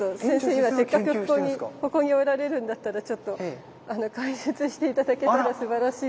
今せっかくここにおられるんだったらちょっと解説して頂けたらすばらしいと思うんですけど。